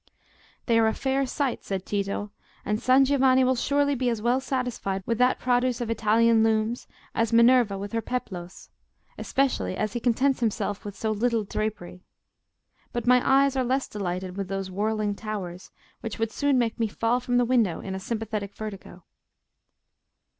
"They are a fair sight," said Tito; "and San Giovanni will surely be as well satisfied with that produce of Italian looms as Minerva with her peplos, especially as he contents himself with so little drapery. But my eyes are less delighted with those whirling towers, which would soon make me fall from the window in sympathetic vertigo."